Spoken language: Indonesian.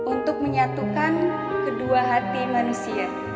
untuk menyatukan kedua hati manusia